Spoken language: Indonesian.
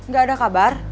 gak ada kabar